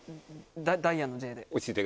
ダイヤのＪで。